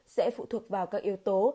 sẽ phụ thuộc vào các yếu tố